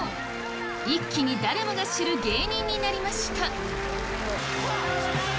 一気に誰もが知る芸人になりました！